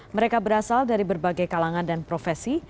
mereka berasal dari berbagai kalangan dan profesi